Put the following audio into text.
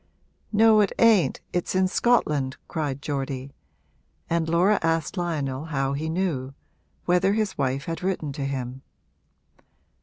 'No, it ain't it's in Scotland!' cried Geordie; and Laura asked Lionel how he knew whether his wife had written to him.